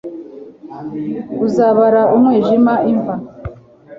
Uzabara umwijima imva